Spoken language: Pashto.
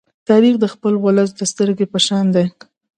تاریخ د خپل ولس د سترگې په شان دی.